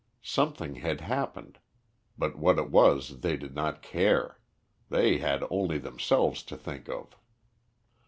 Something had happened, but what it was they did not care. They had only themselves to think of.